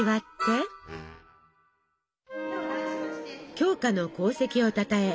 鏡花の功績をたたえ